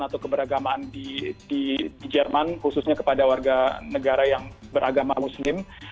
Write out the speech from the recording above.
atau keberagamaan di jerman khususnya kepada warga negara yang beragama muslim